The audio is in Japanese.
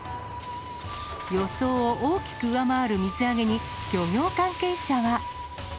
予想を大きく上回る水揚げに、漁業関係者は。